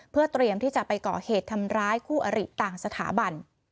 เพื่อเตรียมที่จะไปก่อเหตุทำร้ายคู่อริต่างสถาบัน